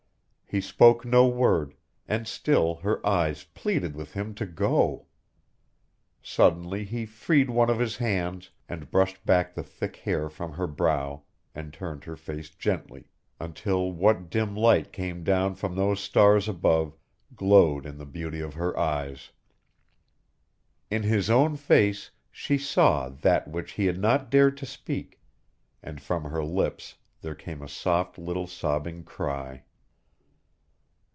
He spoke no word and still her eyes pleaded with him to go. Suddenly he freed one of his hands and brushed back the thick hair from her brow and turned her face gently, until what dim light came down from the stars above glowed in the beauty of her eyes. In his own face she saw that which he had not dared to speak, and from her lips there came a soft little sobbing cry.